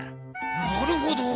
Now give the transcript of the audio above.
なるほど！